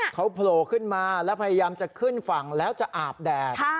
เขาโผล่ขึ้นมาแล้วพยายามจะขึ้นฝั่งแล้วจะอาบแดด